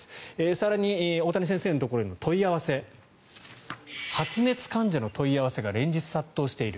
更に大谷先生のところでも問い合わせ発熱患者の問い合わせが連日殺到している。